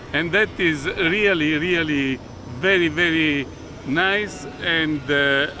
dan itu benar benar sangat bagus